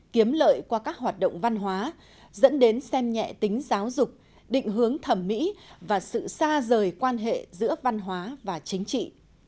kiếm lợi qua các hoạt động văn hóa dẫn đến xem nhẹ tính giáo dục định hướng thẩm mỹ và sự xa rời quan hệ giữa văn hóa và chính trị